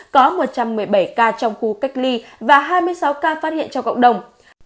có một trăm một mươi bảy ca trong khu cách ly và hai mươi sáu ca phát hiện trong cộng đồng